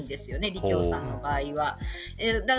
李強さんの場合は。